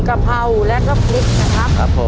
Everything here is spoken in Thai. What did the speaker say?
กะเพราและก็ผลิกนะครับ